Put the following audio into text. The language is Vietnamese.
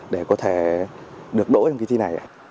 để có thể được đổ trong cái thi này